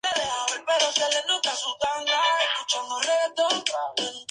Beardsley murió en un accidente de coche.